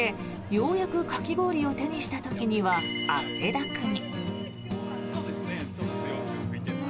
ようやくかき氷を手にした時には汗だくに。